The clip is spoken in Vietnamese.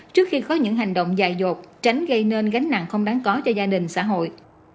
trước khi có những hành động dài dột tránh gây nên gánh nặng không đáng có cho gia đình xã hội